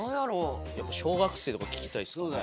やっぱ小学生とか聞きたいですかね